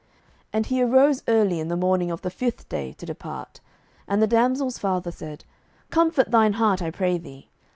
07:019:008 And he arose early in the morning on the fifth day to depart; and the damsel's father said, Comfort thine heart, I pray thee.